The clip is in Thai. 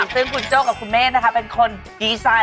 ซึ่งคุณโจ้กับคุณเมฆนะคะเป็นคนดีไซน